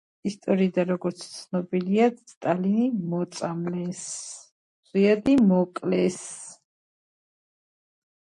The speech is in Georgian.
ამ ომებში ბულგარეთის არმიამ მნიშვნელოვანი საბრძოლო გამოცდილება მიიღო.